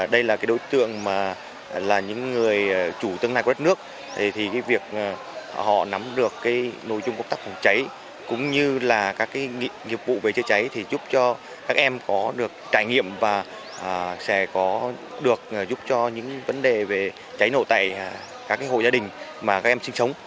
đây là đối tượng là những người chủ tương lai của đất nước thì việc họ nắm được nội dung công tác phòng cháy cũng như là các nghiệp vụ về chữa cháy giúp cho các em có được trải nghiệm và sẽ có được giúp cho những vấn đề về cháy nổ tại các hội gia đình mà các em sinh sống